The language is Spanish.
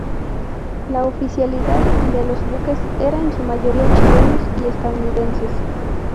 La oficialidad de los buques era en su mayoría chilenos y estadounidenses.